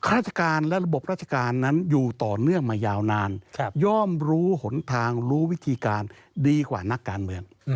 ราชการและระบบราชการนั้นอยู่ต่อเนื่องมายาวนานย่อมรู้หนทางรู้วิธีการดีกว่านักการเมือง